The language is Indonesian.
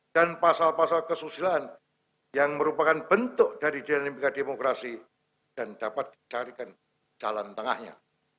dan pasal pasal kesusilaan yang merupakan bentuk dari dinamika demokrasi dan dapat ditarikan jalan tengahnya